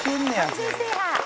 「完全制覇！」